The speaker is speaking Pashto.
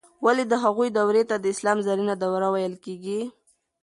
ولې د هغوی دورې ته د اسلام زرینه دوره ویل کیږي؟